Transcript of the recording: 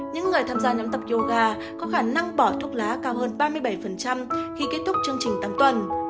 những người tham gia nhóm tập yoga có khả năng bỏ thuốc lá cao hơn ba mươi bảy khi kết thúc chương trình tám tuần